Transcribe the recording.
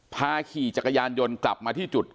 ขี่จักรยานยนต์กลับมาที่จุด